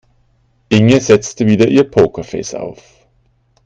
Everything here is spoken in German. Inge setzte wieder ihr Pokerface auf.